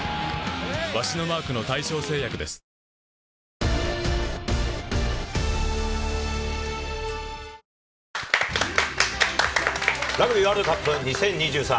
まだない視界をラグビーワールドカップ２０２３。